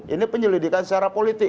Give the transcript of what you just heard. ini penyelidikan secara politik